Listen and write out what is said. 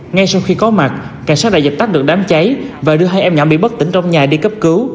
ngay sau khi có mặt cảnh sát đã dập tắt được đám cháy và đưa hai em nhỏ bị bất tỉnh trong nhà đi cấp cứu